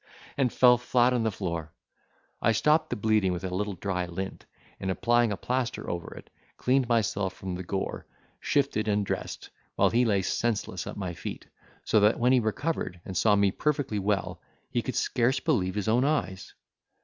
and fell flat on the floor. I stopped the bleeding with a little dry lint, and, applying a plaster over it, cleaned myself from the gore, shifted, and dressed, while he lay senseless at my feet, so that when he recovered, and saw me perfectly well, he could scarce believe his own eyes.